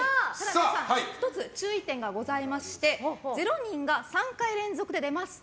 １つ、注意点がございまして０人が３回連続で出ますと